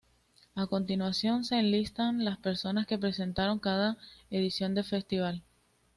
A continuación se enlistan las personas que presentaron cada edición del festival.